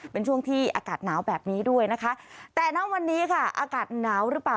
เป็นช่วงที่อากาศหนาวแบบนี้ด้วยนะคะแต่ณวันนี้ค่ะอากาศหนาวหรือเปล่า